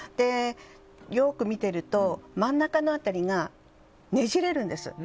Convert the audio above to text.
よく見ていると真ん中の辺りがねじれるんです。